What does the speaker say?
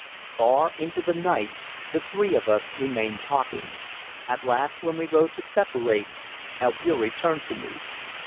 Far into the night the three of us remained talking. At last, when we rose to separate, Albeury turned to me.